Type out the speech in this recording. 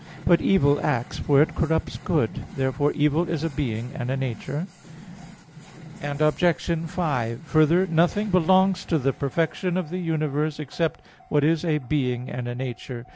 But evil acts, for it corrupts good. Therefore evil is a being and a nature. Obj. 5: Further, nothing belongs to the perfection of the universe except what is a being and a nature.